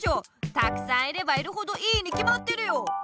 たくさんいればいるほどいいにきまってるよ！